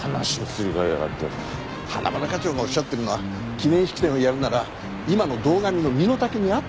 花村課長がおっしゃってるのは記念式典をやるなら今の堂上の身の丈に合った。